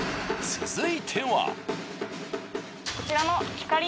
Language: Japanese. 続いては。